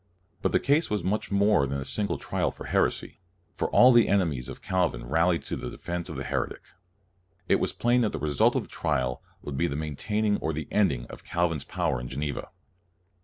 But the case was much more than a single trial for heresy; for all the enemies of Calvin rallied to the defense of the heretic. It was plain that the result of the trial would be the maintaining or the ending of Calvin's power in Geneva.